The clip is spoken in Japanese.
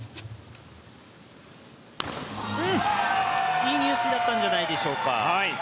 いい入水だったんじゃないでしょうか。